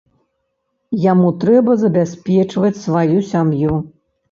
Яму трэба забяспечваць сваю сям'ю.